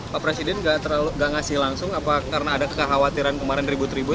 pak presiden gak ngasih langsung karena ada kekhawatiran kemarin ribut ribut